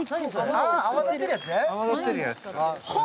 泡立てるやつ。